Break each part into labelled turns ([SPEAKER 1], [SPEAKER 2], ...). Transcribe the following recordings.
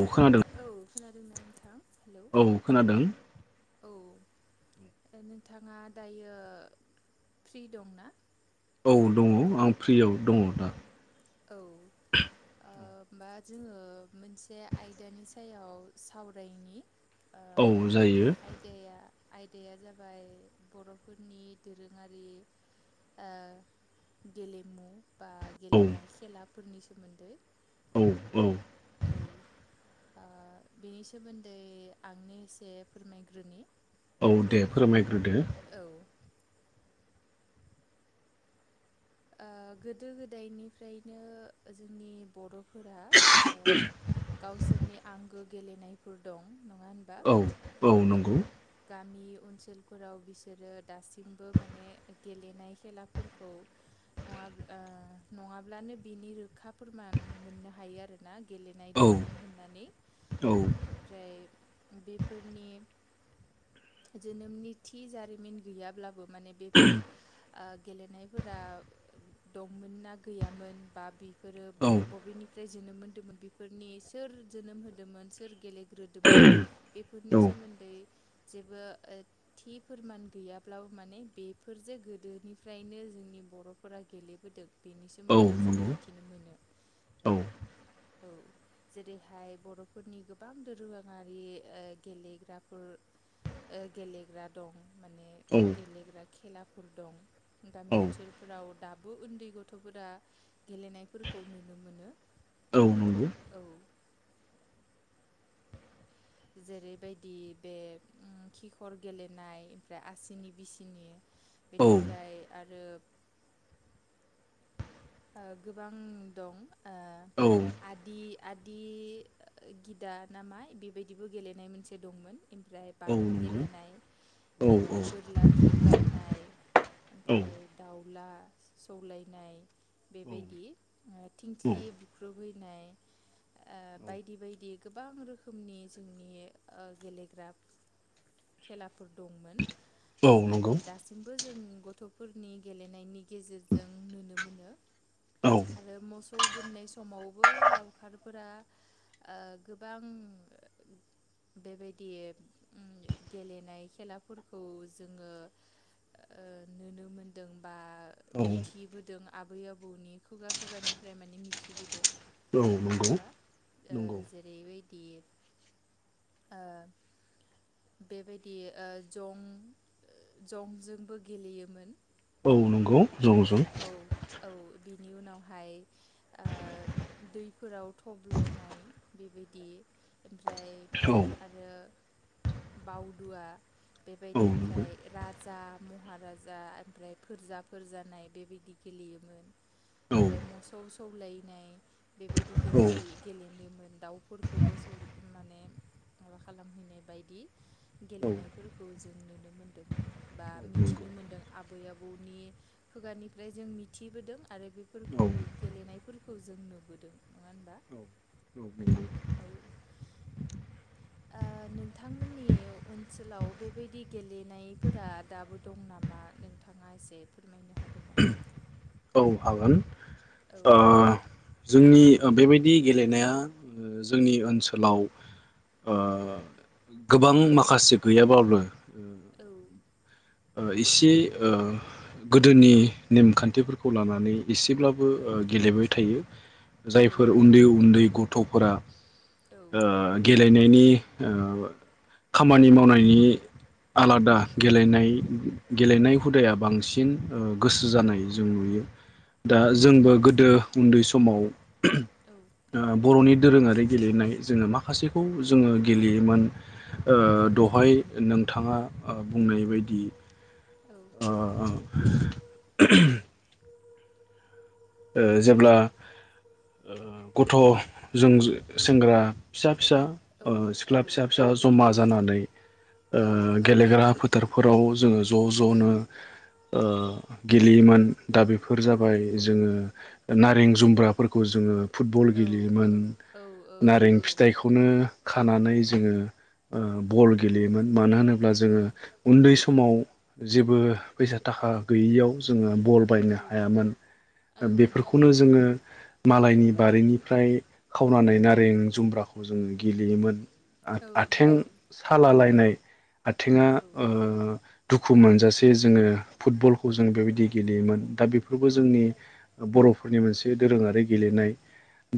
[SPEAKER 1] औ खोनादों
[SPEAKER 2] औ खोनादोंना नोंथां हेलौ
[SPEAKER 1] औ खोनादों
[SPEAKER 2] औ ओ नोंथाङा दायो फ्रि दं ना?
[SPEAKER 1] औ दङ आं फ्रियाव दङ दा।
[SPEAKER 2] औ ओ होमबा जोङो मोनसे आयदानि सायाव सावरायनि ओ
[SPEAKER 1] औ जायो।
[SPEAKER 2] आयदाया आयदाया जाबाय बरफोरनि दोरोङारि ओ गेलेमु बा
[SPEAKER 1] औ
[SPEAKER 2] गेलनाय सिख्ला फोरनि सोमोन्दै।
[SPEAKER 1] औ औ
[SPEAKER 2] औ आ बेनि सोमोन्दै आंनो एसे फोरमायग्रोनि
[SPEAKER 1] औ दे फोरमाय ग्रोदो
[SPEAKER 2] औ ओ गोदो गोदायनिफ्रायनो जोंनि बर'फोरा ओ गावसोरनि आंगो गेलेनायफोर दं नङा होनबा
[SPEAKER 1] औ
[SPEAKER 2] औ गामि ओनसोलफोराव बिसोरो दासिमबो माने गेलेनाय खेलाफोरखौ नङाब्ला ओ नङाब्लानो बिनि रोखा फोरमान मोननो हायो आरोना गेलेनाय
[SPEAKER 1] औ
[SPEAKER 2] दंमोन होननानै
[SPEAKER 1] औ
[SPEAKER 2] ओमफ्राय बेफोरनि जोनोमनि थि जारिमिन गैयाब्लाबो माने बेफोर आ गेलेनाय फोरा दंमोन ना गैयामोन बा बे फोरो
[SPEAKER 1] औ
[SPEAKER 2] बबेनिफा य जोनोम मोन्दोंमोन बेफोरनि सोर जोनोम होदोंमोन सोर गेले ग्रोदोंमोन बेफोरनि
[SPEAKER 1] औ
[SPEAKER 2] सोमोन्दै जेबो ओ थि फोरमान गैयाब्लाबो माने बेफोरजे गोदोनिफ्रायनो जों नि बर'फोरा गेलेबोदों बेनि
[SPEAKER 1] औ
[SPEAKER 2] सोमोन्दै जों
[SPEAKER 1] नंगौ
[SPEAKER 2] मिथिनो मोनो
[SPEAKER 1] औ
[SPEAKER 2] औ जेरैहाय बर'फोरनि गोबां दोरोङारि ओ गेलेग्राफोर ओ गेलेग्रा दं माने
[SPEAKER 1] औ
[SPEAKER 2] गेलेग्रा खेलाफोर दं गामि
[SPEAKER 1] औ
[SPEAKER 2] ओन लाव दाबो उन्दै गथ'फोरा गेलेनायफोरखौ नुनो मोनो
[SPEAKER 1] औ नंगौ
[SPEAKER 2] औ जेरैबायदि बे उम खिखर गेलेनाय ओमफ्राय आसिनि बिसिनि
[SPEAKER 1] औ
[SPEAKER 2] बेनिफ्राय आरो ओ गोबां दं ओ
[SPEAKER 1] औ
[SPEAKER 2] आदि आदि गिदा नामा बेबायदिबो गेलेनाय मोनसे दंमोन एमफ्राय बाथा
[SPEAKER 1] नंगौ
[SPEAKER 2] गेलेनाय
[SPEAKER 1] औ औ
[SPEAKER 2] ओमफ्राय बोरला थिर गावनाय ओमफ्राय
[SPEAKER 1] औ
[SPEAKER 2] दाउला सौलायनाय बेबायदि ओ
[SPEAKER 1] औ
[SPEAKER 2] थिंख्लि बुख्रुबहैनाय ओ बायदि बायदि गोबां रोखोमनि जोंनि ओ गेलेग्रा खेलाफोर दंमोन
[SPEAKER 1] औ नंगौ
[SPEAKER 2] आरो दासिमबो जों गथ'फोरनि गेलेनायनि गेजेरजों नुनो मोनो
[SPEAKER 1] औ
[SPEAKER 2] आरो मसौ गोमनाय समावबो लावखारफोरा ओ गोबां बेबायदि गेलेनाय खेलाफोरखौ जोङो ओ नुनो मोनदों बा
[SPEAKER 1] औ
[SPEAKER 2] मिथिबोदों आब बै आबौनि खुगा खुगानिफ्राय माने मिथिबोदों
[SPEAKER 1] औ
[SPEAKER 2] नङा
[SPEAKER 1] नंगौ
[SPEAKER 2] होनबा ओ
[SPEAKER 1] नंगौ
[SPEAKER 2] जेरैबायदि ओ बेबायदि ओ जं-जंजोंबो गेलेयोमोन
[SPEAKER 1] औ नंगौ जं जं
[SPEAKER 2] औ औ बिनि उनावहाय ओ दैफोराव थब्ल'नाय बेबायदि ओमफ्राय
[SPEAKER 1] औ
[SPEAKER 2] आरो बावदुआ
[SPEAKER 1] औ
[SPEAKER 2] बेबायदि
[SPEAKER 1] नंगौ
[SPEAKER 2] ओमफ्राय राजा महाराजा ओमफ्राय फोरजा फोर जानाय बेबायदि गेलेयोमोन
[SPEAKER 1] औ
[SPEAKER 2] ओमफ्राय मोसौ सौलायनाय बेबायदि गेलेहोयो गेलेनो दाउफोरखौबो जों माने माबा खालामहैनाय बायदि
[SPEAKER 1] औ औ
[SPEAKER 2] गेलेनायफोरखौ जों नुनो मोनदों बा मिथिनो
[SPEAKER 1] नंगौ
[SPEAKER 2] मोन्दों आबै आबौनि खुगानिफ्राय जों मिथिबोदों आरो बेफोरखौ
[SPEAKER 1] औ
[SPEAKER 2] गेलेनायफोरखौ जों नुबोदों नङा होनबा
[SPEAKER 1] औ नंगौ
[SPEAKER 2] औ ओ नोंथांमोननि ओनसोलाव बेबायदि गेलेनायफोरा दाबो दं नामा नोंथांङा एसे फोरमायनो हागो गोन नामा
[SPEAKER 1] औ हागोन
[SPEAKER 2] औ
[SPEAKER 1] ओ जोंनि बेबायदि गेलेनाया जोंनि ओनसोलाव ओ गोबां माखासे गैयाबाब्लाबो
[SPEAKER 2] औ
[SPEAKER 1] ओ इसे ओ गोदोनि नेमखान्थिफोरखौ लानानै इसेब्लाबो
[SPEAKER 2] औ
[SPEAKER 1] ओ गेलेबाय थायो जायफोर उन्दै
[SPEAKER 2] औ
[SPEAKER 1] उन्दै ग थ'फोरा ओ गेल लेनायनि ओ खामानि मावनायनि आलादा गेलेनाय [unintelligible]
[SPEAKER 2] औ
[SPEAKER 1] गेलेनाय हुदाया बांसिन ओ गोसो जानाय जों नुयो। दा
[SPEAKER 2] औ
[SPEAKER 1] जोंबो
[SPEAKER 2] नंगौ
[SPEAKER 1] गोदो उन्दै समाव ओ
[SPEAKER 2] औ
[SPEAKER 1] बर'नि दोरोंङारि गेलेनाय जोंङो माखासेखौ जोंङो गेलेयोमोन ओ
[SPEAKER 2] औ
[SPEAKER 1] दहाय नों थाङा ओ बुंनाय बायदि ओ ओ [inaudible] ओ जेब्ला ओ गथ' जों सेंग्रा फिसा फिसा
[SPEAKER 2] औ औ
[SPEAKER 1] ओ
[SPEAKER 2] औ
[SPEAKER 1] सिख्ला फिसा फिसा जमा जानानै ओ गेलेग्रा फो फोथारफोराव जोंङो ज' ज'नो ओ गेलेयोमोन दा बेफोर जाबाय जोङो नारें जुमब्राफोरखौ जोङो फुटबल
[SPEAKER 2] औ
[SPEAKER 1] गेलेयोमोन
[SPEAKER 2] औ
[SPEAKER 1] नारें
[SPEAKER 2] नंगौ
[SPEAKER 1] फिथाइखौनो खानानै जोंङो ओ बल गेलेयोमोन मानो होनो अब्ला
[SPEAKER 2] औ
[SPEAKER 1] जोंङो उन्दै सम समाव जेबो फैसा थाखा गैयियाव जोंङो बल
[SPEAKER 2] औ
[SPEAKER 1] बायनो हायामोन
[SPEAKER 2] औ नंगौ
[SPEAKER 1] बेफोरखौनो जोङो मालायनि बारिनिफ्राय खावनानै नारें जुम्ब्राखौ जोङो गेलेयोमोन।
[SPEAKER 2] औ
[SPEAKER 1] आथिं
[SPEAKER 2] नंगौ
[SPEAKER 1] सालालायनाय आथिङा
[SPEAKER 2] औ
[SPEAKER 1] ओ दुखु मोनजासे जोङो फुटबलखौ जों बेबायदि गेलेयोमोन। दा बेफोरबो
[SPEAKER 2] औ
[SPEAKER 1] जोंनि बर'फोरनि मोनसे दोरोङारि गेलेनाय।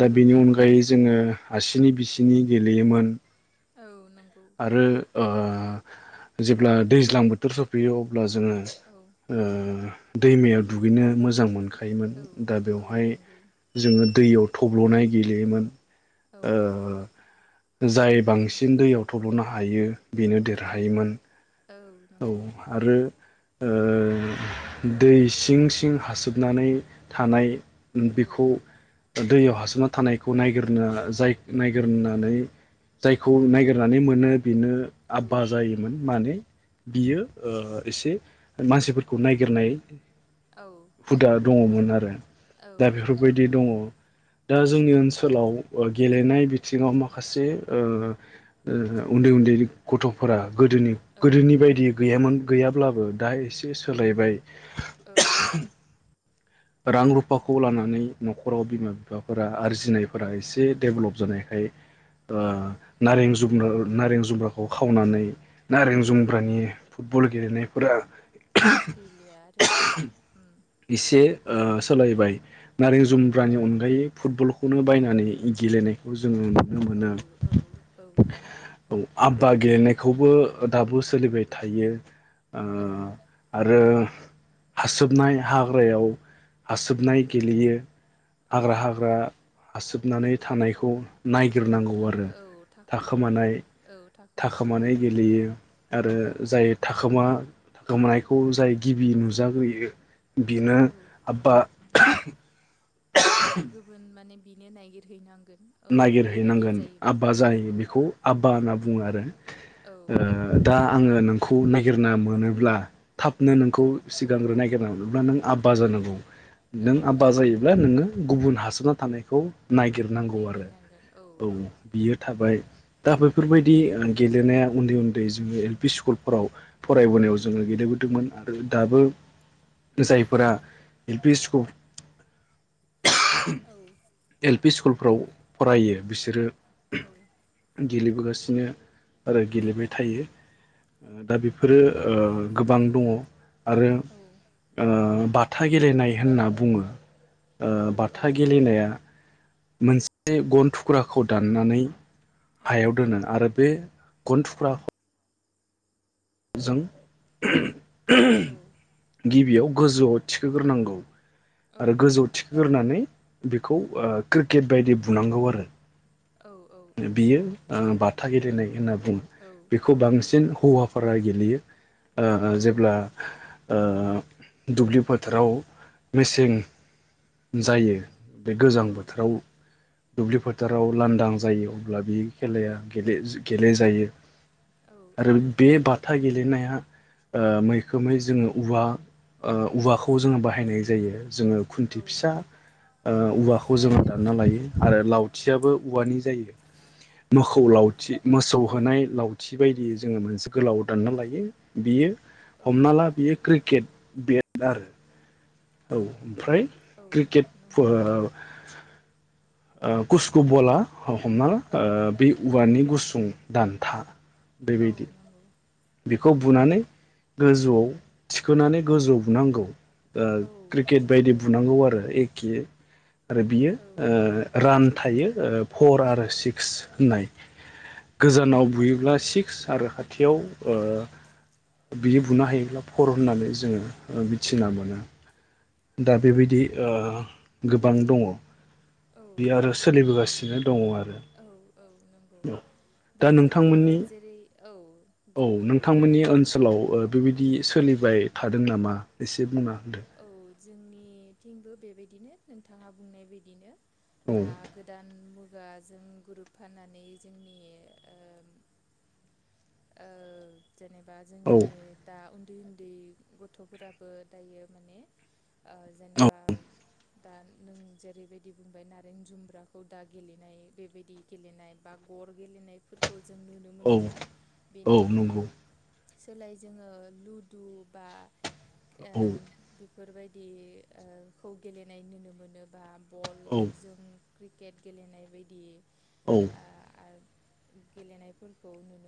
[SPEAKER 1] दा बेनि
[SPEAKER 2] औ औ
[SPEAKER 1] अनगायै जोङो हारसिनि बिसिनि गेलेयोमोन।
[SPEAKER 2] औ नंगौ
[SPEAKER 1] आरो ओ जेब्ला दैज्लां बोथोर सफैयो अब्ला जोङो
[SPEAKER 2] औ
[SPEAKER 1] ओ दैमायाव दुगैनो मोजां मोनखो योमोन। दा
[SPEAKER 2] औ
[SPEAKER 1] बेवहाय
[SPEAKER 2] नंगौ
[SPEAKER 1] जोङो दैयाव थब्ल'नाय गेलेयोमोन। [inaudible]
[SPEAKER 2] औ नंगौ
[SPEAKER 1] जाय बांसिन दैयाव थ्ल'नो हायो बेनो
[SPEAKER 2] औ
[SPEAKER 1] देरहायोमोन।
[SPEAKER 2] औ
[SPEAKER 1] [inaudible] ओ
[SPEAKER 2] नंगौ
[SPEAKER 1] दै सिं सिं हासोबनानै थानाय
[SPEAKER 2] औ
[SPEAKER 1] बेखौ दैयाव हाबसोमनानै थानायखौ नायगिरनो जाय नायगिरनानै जायखौ नायगिरनानै मोनो बेनो
[SPEAKER 2] औ
[SPEAKER 1] आबबा जायोमोन माने बियो ओ एसे मानसिफोरखौ नायगिरनाय
[SPEAKER 2] औ औ
[SPEAKER 1] हुदा दङमोन आरो।
[SPEAKER 2] औ
[SPEAKER 1] दा
[SPEAKER 2] औ
[SPEAKER 1] बेफोरबायदि
[SPEAKER 2] नंगौ
[SPEAKER 1] दङ दा
[SPEAKER 2] औ
[SPEAKER 1] जोंनि ओनसोलाव गेलेनाय बिथिङाव माखासे ओ ओ उन्दै उन्दै गथ'फोरा गोदोनि
[SPEAKER 2] औ
[SPEAKER 1] गोदोनि बायदि गैयामोन गैयाब्लाबो दा एसे सोलायबाय। [inaudible] [inaudible] नायफोरा
[SPEAKER 2] औ
[SPEAKER 1] एसे डेभेलप जानाय। फाय
[SPEAKER 2] औ
[SPEAKER 1] ओ नारें जु नो नारें जुम्ब्राखौ खावनानै नारें जुम्ब्रानि फुटबल गेलेनायफोरा
[SPEAKER 2] गैलिया आरोना उम
[SPEAKER 1] एसे ओ सोलायबाय। नारें
[SPEAKER 2] औ
[SPEAKER 1] जुमब्रानि
[SPEAKER 2] औ
[SPEAKER 1] अनगायै फुटबलख खौनो बायनानै गेलेनायखौ ज जों नुनो
[SPEAKER 2] औ
[SPEAKER 1] मोनो
[SPEAKER 2] औ औ नंगौ
[SPEAKER 1] औ आब्बा गेलेनाय खौबो ओ दाबो सोलिबाय थायो। ओ
[SPEAKER 2] औ
[SPEAKER 1] आरो हासोबनाया हाग्रायाव आसोबनाय गेलेयो।
[SPEAKER 2] औ
[SPEAKER 1] हाग्रा हाग्रा आसोबनानै थानायखौ
[SPEAKER 2] औ
[SPEAKER 1] नायगिरनांगौ
[SPEAKER 2] थाखो
[SPEAKER 1] आरो
[SPEAKER 2] औ थाखो
[SPEAKER 1] थाखोमानाय
[SPEAKER 2] औ थाखो माने
[SPEAKER 1] थाखोमानाय
[SPEAKER 2] गेलेनाय औ
[SPEAKER 1] गेलेयो आरो
[SPEAKER 2] औ
[SPEAKER 1] जाय थाखोमा गोमानायखौ जाय गिबि नुजाग्रोयो बेनो
[SPEAKER 2] औ
[SPEAKER 1] आब्बा [unintelligible]
[SPEAKER 2] आरो गुबुन माने बिनो नायगिरहैनांग
[SPEAKER 1] नागिरहैनांगोन आब्बा जाहैयो
[SPEAKER 2] औ
[SPEAKER 1] बेखौ आब्बा होना बु बुङो आरो ओ
[SPEAKER 2] औ
[SPEAKER 1] दा आङो नों खौ नायगिरना मोनोब्ला थाबनो नोंखौ सिगांग्रो नायगि नायगिरना मोनोब्ला नों आब्बा जानांगौ।
[SPEAKER 2] औ
[SPEAKER 1] नों आब्बा
[SPEAKER 2] औ औ
[SPEAKER 1] जायोब्ला नोङो गुबुन हा सोना थानायखौ नायगिरनांगौ आरो ओ औ बियो थाबाय
[SPEAKER 2] उम
[SPEAKER 1] दा बेफोरबायद दि ओ गेलेनाया उन्दै उन्दै जोङो एल पि स्कुलफोराव फरायबोनायाव जोङो गेलेबोदोंमोन आरो दाबो जायफोरा एल पि स्कुल
[SPEAKER 2] औ
[SPEAKER 1] [unintelligible] एल पि स्कुलफ्राव फरायो बिसोरो
[SPEAKER 2] औ
[SPEAKER 1] गेलेबोगासिनो आरो गेलेबाय थायो ओ दा बेफोरो ओ गोबां दङ। आरो ओ बाथा गेलेनाय होनना बुङो ओ
[SPEAKER 2] औ
[SPEAKER 1] बाथा गेलेनाया मोनसे गन थुख्राखौ दाननानै
[SPEAKER 2] औ
[SPEAKER 1] हायाव दोनो आरो बे गन थुख्राखौ जों
[SPEAKER 2] औ
[SPEAKER 1] गिबियाव गोजौआव थिखोग्रोनांगौ आरो गोजौ थिखोग्रोनानै बेखौ ओ क्रिकेट बायदि बुनांगौ आरो बियो ओ बाथ थागिदिनाय होनना बुङो बेखौ बांसिन हौवाफोरा गेलेयो ओ ओ जेब्ला ओ ओ दुब्लि फोथाराव मेसें जायो बे गोजां बोथोराव दुब्लि फोथाराव लानदां जायो अब्ला बे खेलाया गेले गेलेजायो आरो बे बाथा गेलेनाया ओ मैखोमै जोङो औवा औवाखौ जोङो बाहायनाय जायो जोङो खुन्थि फिसा ओ औवाखौ जोङो दानना लायो आरो लावथियाबो औवानि जायो मोखौ लावथि मोसौ होनाय लावथि बायदियै जोङो मोनसे गोलाव दानना लायो बियो
[SPEAKER 2] औ
[SPEAKER 1] हमना ला बियो क्रिकेट बेद आरो औ ओमफ्राय
[SPEAKER 2] औ
[SPEAKER 1] क्रिकेट ओ
[SPEAKER 2] नंगौ
[SPEAKER 1] ओ कुस्क' बला हमना ओ
[SPEAKER 2] औ
[SPEAKER 1] बे औवानि गुसु सुं दानथा
[SPEAKER 2] औ
[SPEAKER 1] बेबायदि
[SPEAKER 2] नंगौ
[SPEAKER 1] बेखौ
[SPEAKER 2] औ
[SPEAKER 1] बुनानै गोजौआव थिखोनानै गोजौ बुनांगौ ओ
[SPEAKER 2] औ
[SPEAKER 1] क्रिकेट बायदि बुनांगौ आरो एके आरो बियो ओ रान थायो ओ फर आरो सिक्स होननाय।
[SPEAKER 2] औ
[SPEAKER 1] गोजानाव बुयोब्ला सिक्स आरो खाथियाव ओ बियो बुनो हायोब्ला फर होननानैज जोङो ओ मिथिना मोनो। दा बेबायदि ओ गोबां दङ।
[SPEAKER 2] औ
[SPEAKER 1] बे
[SPEAKER 2] औ
[SPEAKER 1] आरो सोलिबोगासिनो दङ आरो
[SPEAKER 2] औ औ नंगौ
[SPEAKER 1] दा
[SPEAKER 2] बेबायदिनो
[SPEAKER 1] नोंथांमोननि
[SPEAKER 2] जेरै औ जे
[SPEAKER 1] लाव ओ बेबायदि सोलिबाय थादों नामा एसे बुंना [inaudible]
[SPEAKER 2] औ जोंनिथिंबो बेबायदिनो नोंथाङा बुंनाय बायदिनो दा गोदान मुगाजों गुरोब फाननानै जोंनि ओ ओ जेनेबा
[SPEAKER 1] औ
[SPEAKER 2] जोंनि दा उन उन्दै उन्दै गथ'फोराबो दायो माने ओ
[SPEAKER 1] औ
[SPEAKER 2] जेनेबा दा नों जेरैबायदि बुंबाय नारें जुमब्राखौ दा गेलेनाय बेबायदि गेलेनाय बा गर गेलेनायफोरखौ जों नुनो
[SPEAKER 1] औ
[SPEAKER 2] मोनलिया।
[SPEAKER 1] औ
[SPEAKER 2] बेनि
[SPEAKER 1] नंगौ।
[SPEAKER 2] सोलाय जोङो लुदु बा
[SPEAKER 1] औ
[SPEAKER 2] ओम बिब बेफोरबायदि ओ खौ गेलेनाय नुनो मोनो। बा बल
[SPEAKER 1] औ
[SPEAKER 2] जों क्रिकेट गेलेनाय बायदि।
[SPEAKER 1] औ
[SPEAKER 2] आ आर गेलेनायफोरखौ नुनो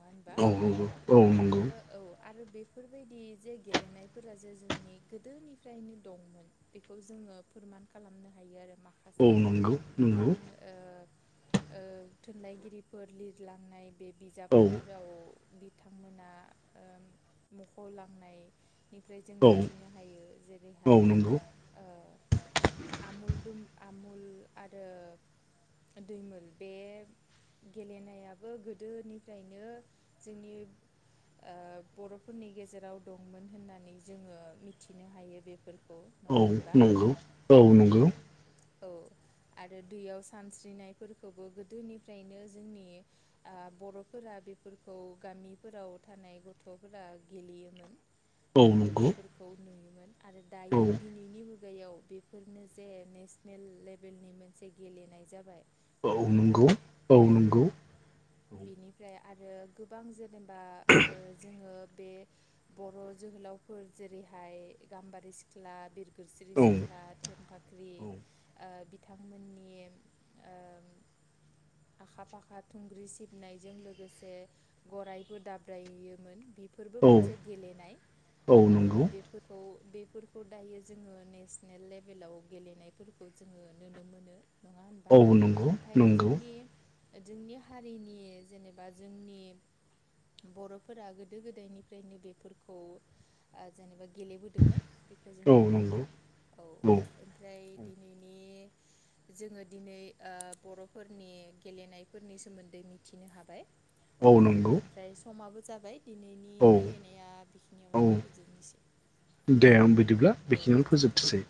[SPEAKER 2] ङा होनबा
[SPEAKER 1] औ नंगौ औ नंगौ
[SPEAKER 2] बेबायदिनो औ आरो बे बेफोरबायदि जे गेलेनायफोरा जे जोंनि गोदोनिफ्रायनो दंमोन बेखौ जोङो फोरमान खालामनो हायो आरो
[SPEAKER 1] औ
[SPEAKER 2] माखासे
[SPEAKER 1] नंगौ नंगौ
[SPEAKER 2] बिथां ओ ओ थुनलाइगिरिफोर लिरलांनाय बे
[SPEAKER 1] औ
[SPEAKER 2] बिजाबफोराव बिथांमोना ओ मख'लांनाय निफ्राय जों
[SPEAKER 1] औ
[SPEAKER 2] मिथिनो हायो
[SPEAKER 1] औ
[SPEAKER 2] जेरैहाय
[SPEAKER 1] नंगौ
[SPEAKER 2] ओ आमुलदुम आमुल आरो दैमोल बे गेलेनायाबो गोद दोनिफ्रायनो जोंनि ओ बर'फोरनि गेजेराव दंमोन होननानै जोङो मिथिनो हायो बेफोरखौ
[SPEAKER 1] औ
[SPEAKER 2] नङा होनबा
[SPEAKER 1] नंगौ औ नंगौ
[SPEAKER 2] औ आरो दैयाव सानस्रिनायफोरखौबो गोदोनिफ्रायनो जोंनि ओ बर'फोरा बेफोरखौ गामिफोराव थानाय गथ'फोरा गेलेयोमोन
[SPEAKER 1] औ
[SPEAKER 2] ओ
[SPEAKER 1] नंगौ
[SPEAKER 2] बेफोरखौ नुयो आरो
[SPEAKER 1] औ
[SPEAKER 2] दायो दिनैनि मु गैयाव बेफोरनो जे नेस नेल लेभेलनि मोनसे गेलेनाय जाबाय
[SPEAKER 1] औ
[SPEAKER 2] नङा होनबा
[SPEAKER 1] नंगौ औ नंगौ
[SPEAKER 2] बिनिफ्राय आरो गोबां जेब जेनबा ओ जोङो बे बर' जोहोलावफोर जेरैहाय गाम्बारि सिख्ला बिर गोरस्रि
[SPEAKER 1] औ
[SPEAKER 2] सिख्ला थेंफाख्रि ओ बिथांमोननि ओ आखा-फाखा थुंग्रि सिबनायजों लोगोसे गरायबो दाब्रायोमोन बेफोरबो मोनसे गेलेनाय
[SPEAKER 1] औ
[SPEAKER 2] ओ
[SPEAKER 1] नंगौ
[SPEAKER 2] बेफोरखौ बेफोरखौ दायो जोङो नेसनेल लेभेलाव गेलेनाय फोरखौ जोङो नुनो मोनो नङा होनबा
[SPEAKER 1] औ नंगौ
[SPEAKER 2] नाथाय
[SPEAKER 1] नंगौ
[SPEAKER 2] जोंनि जोंनि हारिनि जेनेबा जोंनि बर'फोरा गोदो गोदायनिफ्रायनो बेफोरखौ ओ जेनेबा गेलेबोदोंमोन बेखौ जों
[SPEAKER 1] औ
[SPEAKER 2] नुनो मोनो
[SPEAKER 1] नंगौ
[SPEAKER 2] औ ओमफ्राय दिनैनि जोङो दिनै ओ बर'फोरनि गेलेनायफोरनि सोमोन्दै मिथिनो हाबाय
[SPEAKER 1] औ
[SPEAKER 2] ओ
[SPEAKER 1] नंगौ
[SPEAKER 2] ओमफ्राय समाबो जाबाय दिनैनि राय लायनाया
[SPEAKER 1] औ
[SPEAKER 2] बेखिनियावनो फोजोबनोसै
[SPEAKER 1] दे आं बिदिब्ला
[SPEAKER 2] औ
[SPEAKER 1] बेखिनियावनो
[SPEAKER 2] गोजोन्थों
[SPEAKER 1] फोजोबथोसै